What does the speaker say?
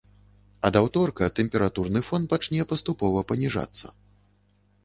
Ад аўторка тэмпературны фон пачне паступова паніжацца.